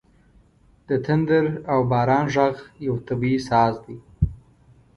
• د تندر او باران ږغ یو طبیعي ساز دی.